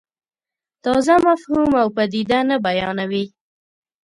تازه مفهوم او پدیده نه بیانوي.